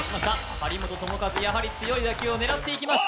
張本智和やはり強い打球を狙っていきます